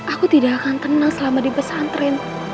aku tidak akan tenang selama di pesantren